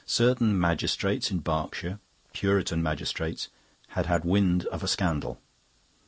Certain magistrates in Berkshire, Puritan magistrates, had had wind of a scandal.